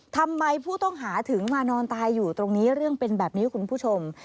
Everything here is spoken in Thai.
ทำไมผู้ต้องหาถึงมานอนตายอยู่ตรงนี้เรื่องเป็นแบบนี้คุณผู้ชม